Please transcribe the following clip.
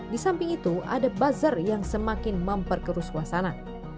di samping itu ada buzzer yang semakin memperkeruskuasana